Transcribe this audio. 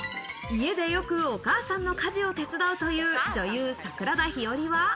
家でよくお母さんの家事を手伝うという女優・桜田ひよりは。